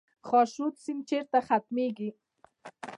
خاشرود سیند چیرته ختمیږي؟